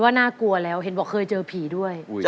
คุณควรอยากเจอผีด้วย